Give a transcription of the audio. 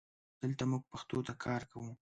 دلته مونږ پښتو ته کار کوو